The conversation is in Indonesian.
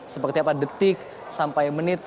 seperti apa detik sampai menit